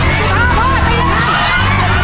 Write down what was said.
มีความรัก